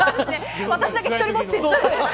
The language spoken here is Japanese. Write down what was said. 私だけ１人ぼっち。